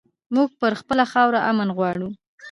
مونږ پر خپله خاوره امن غواړو